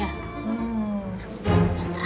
yang terakhir gue minta cerai